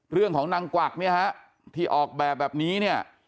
นางกวักเนี่ยฮะที่ออกแบบแบบนี้เนี่ย